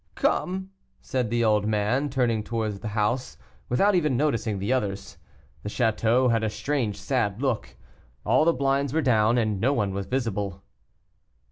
"Come," said the old man, turning towards the house, without even noticing the others. The château had a strange sad look; all the blinds were down, and no one was visible.